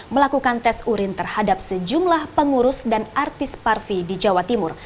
melakukan tes urin terhadap sejumlah pengurus dan artis parvi di jawa timur